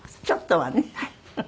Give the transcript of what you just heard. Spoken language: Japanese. ちょっとはね。